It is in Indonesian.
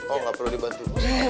oh nggak perlu dibantu